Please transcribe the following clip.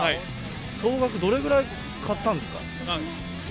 総額どれぐらい買ったんですか？